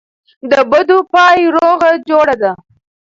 دبدو پای روغه جوړه ده.